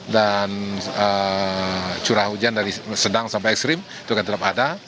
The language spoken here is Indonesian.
dan curah hujan dari sedang sampai ekstrim itu akan tetap ada